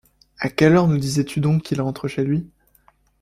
À quelle heure nous disais-tu donc qu’il rentre chez lui?